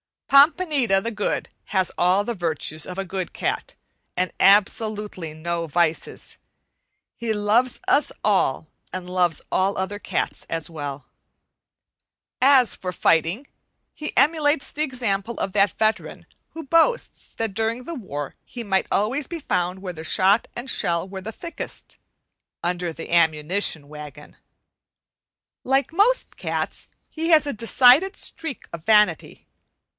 Pompanita the Good has all the virtues of a good cat, and absolutely no vices. He loves us all and loves all other cats as well. As for fighting, he emulates the example of that veteran who boasts that during the war he might always be found where the shot and shell were the thickest, under the ammunition wagon. Like most cats he has a decided streak of vanity.